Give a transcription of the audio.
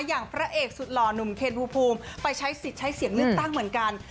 อย่างพระเอกสุดหล่อหนุ่มเคนภูมิไปใช้สิทธิ์ใช้เสียงเลือกตั้งเหมือนกัน